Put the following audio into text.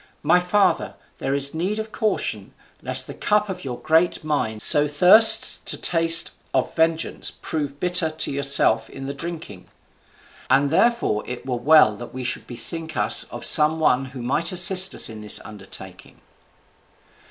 My father, there is need of caution, lest the cup which your great mind so thirsts to taste of vengeance prove bitter to yourself in the drinking. And therefore it were well that we should bethink us of some one who might assist us in this undertaking."